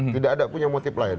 tidak ada punya motif lain